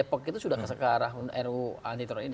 depok itu sudah ke sekarang ru anti terorisme